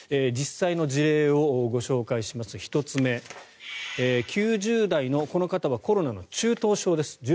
実際の事例をご紹介しますと１つ目、９０代のこの方はコロナの中等症です。